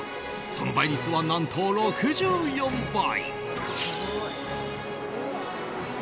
その倍率は、何と６４倍！